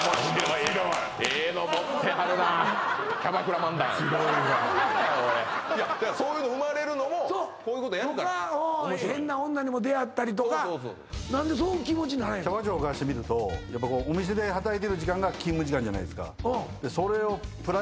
笑瓶なんてすごいわいやそういうの生まれるのもこういうことやるから変な女にも出会ったりとか何でそういう気持ちにならへんのキャバ嬢からしてみるとお店で働いてる時間が勤務時間じゃないですか